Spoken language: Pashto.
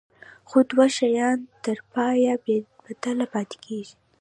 خو دوه شیان تر پایه بې بدله پاتې کیږي.